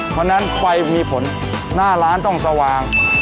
เพราะฉะนั้นไฟมีผลหน้าร้านต้องสว่าง